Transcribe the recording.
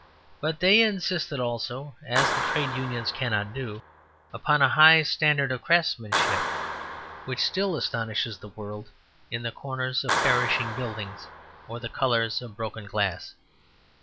But they insisted also, as the Trades Unions cannot do, upon a high standard of craftsmanship, which still astonishes the world in the corners of perishing buildings or the colours of broken glass.